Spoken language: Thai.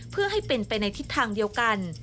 เพื่อให้เป็นไปในทิศทางเดียวกัน